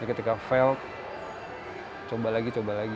dan ketika fail coba lagi coba lagi